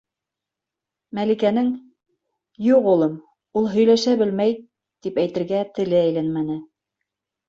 Мәликәнең: «Юҡ, улым, ул һөйләшә белмәй», - тип әйтергә теле әйләнмәне.